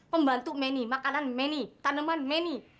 pembantu many makanan many tanaman many